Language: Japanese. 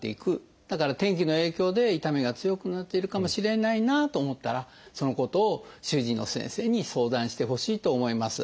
だから天気の影響で痛みが強くなってるかもしれないなと思ったらそのことを主治医の先生に相談してほしいと思います。